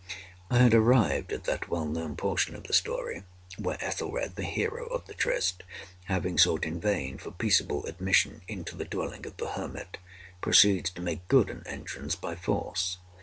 I had arrived at that well known portion of the story where Ethelred, the hero of the Trist, having sought in vain for peaceable admission into the dwelling of the hermit, proceeds to make good an entrance by force.